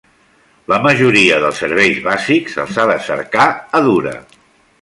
La majoria dels serveis bàsics els ha de cercar a Dura.